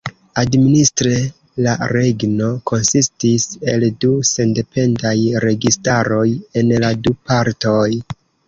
Administre la regno konsistis el du sendependaj registaroj en la du partoj.